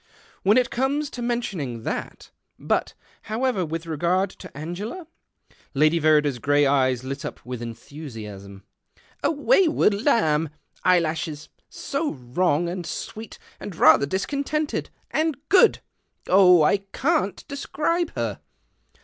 " "When it comes to men ionino that But, however, with reo; ard :o Angela ?" Lady Verrider's grey eyes lit up w^ith entliu dasm. " A wayward lamb. Eyelashes, So wrong, md sweet, and rather discontented, and good ! Jh ! I can't describe her